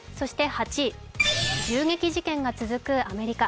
８位、銃撃事件が続くアメリカ。